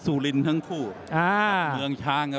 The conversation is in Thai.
กุ่นี้ซูลินทั้งคู่